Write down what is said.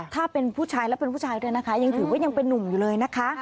ถ้าเป็นผู้ชายและเป็นผู้ชายด้วยนะคะยังถือว่ายังเป็นนุ่มอยู่เลยนะคะ